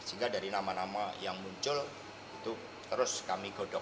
sehingga dari nama nama yang muncul itu terus kami godok